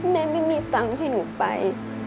แม่ไม่มีตังค์ให้หนูไป